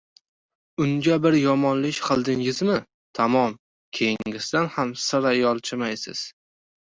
Unga bir yomonlik qildingizmi, tamom, keyingisidan ham sira yolchimaysiz.